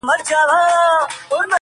سل دي ومره خو د سلو سر دي مه مره -